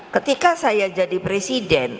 ketika saya jadi presiden